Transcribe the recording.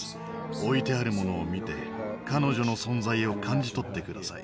置いてある物を見て彼女の存在を感じとって下さい。